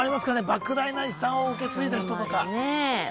莫大な遺産を受け継いだ人とか。